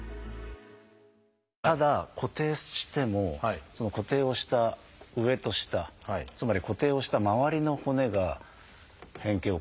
ただ固定してもその固定をした上と下つまり固定をした周りの骨が変形を起こしてしまうと。